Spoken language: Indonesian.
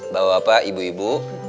bapak bapak ibu ibu